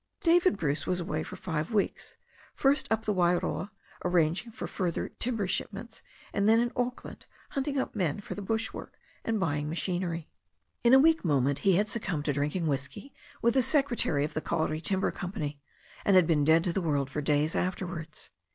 David Bruce was away five weeks, first up the Wairoa, arranging for future timber shipments, and then in Auck land hunting up men for bush work, and buying machinery. In a weak moment he had succumbed to drinking whisky with the secretary of the Kauri Timber Company, and had been dead to the world for days afterwards.